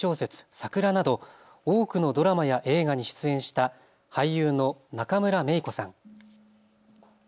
さくらなど多くのドラマや映画に出演した俳優の中村メイコさん。